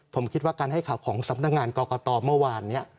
ผมคิดว่าการให้ข่าวของสำนักงานกรกตเมื่อวานนี้